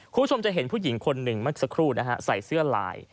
คุณผู้ชมจะเห็นผู้หญิงคนหนึ่งเมื่อสักครู่นะฮะใส่เสื้อลาย